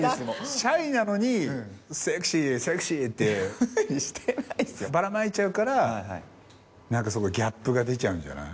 シャイなのにセクシーセクシーってばら撒いちゃうから何かすごいギャップが出ちゃうんじゃない？